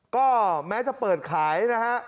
ก็แม้จะเปิดขายนะฮะ